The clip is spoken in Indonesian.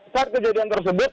saat kejadian tersebut